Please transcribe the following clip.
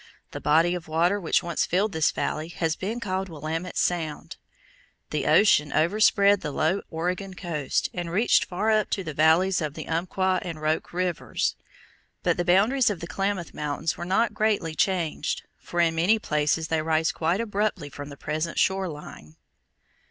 The body of water which once filled this valley has been called Willamette Sound. The ocean overspread the low Oregon coast, and reached far up the valleys of the Umpqua and Rogue rivers. But the boundaries of the Klamath Mountains were not greatly changed, for in many places they rise quite abruptly from the present shore line.